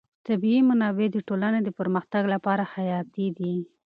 طبیعي منابع د ټولنې د پرمختګ لپاره حیاتي دي.